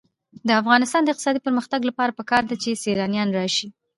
د افغانستان د اقتصادي پرمختګ لپاره پکار ده چې سیلانیان راشي.